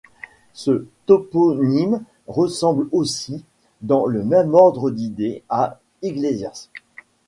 Ce toponyme ressemble aussi, dans le même ordre d'idées, à Iglesia.